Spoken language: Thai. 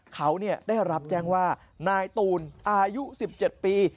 เขาได้รับแจ้งว่านายตูนอายุ๑๗ปี